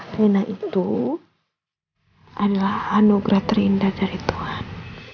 fina itu adalah anugerah terindah dari tuhan